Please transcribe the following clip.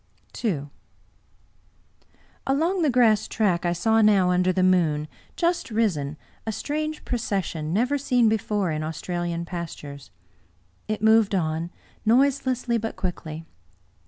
II Along the grass track I saw now, under the moon, just risen, a strange procession — ^never seen before in Aus tralian pastures. It moved on, noiselessly but quickly.